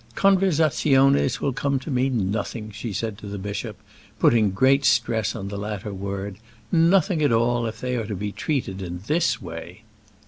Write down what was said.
"Conversaziones will come to mean nothing," she said to the bishop, putting great stress on the latter word, "nothing at all, if they are to be treated in this way."